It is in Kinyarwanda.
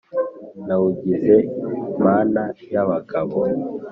Nawugize mana y' abagabo